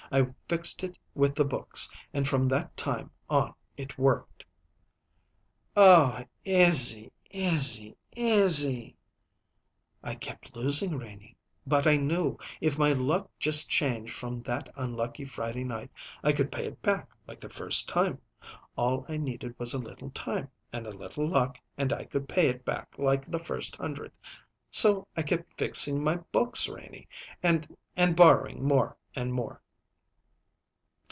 I fixed it with the books, and from that time on it worked." "Oh, Izzy Izzy Izzy!" "I kept losing, Renie; but I knew, if my luck just changed from that unlucky Friday night, I could pay it back like the first time. All I needed was a little time and a little luck and I could pay it back like the first hundred; so I kept fixing my books, Renie, and and borrowing more and more."